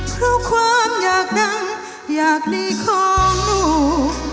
เพราะความอยากดังอยากดีของลูก